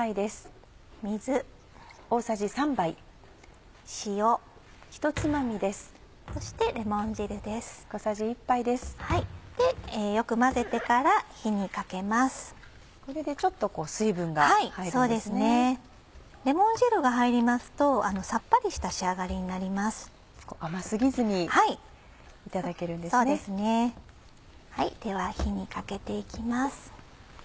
では火にかけて行きます。